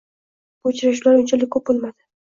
Bu uchrashuvlar unchalik ko‘p bo‘lmadi.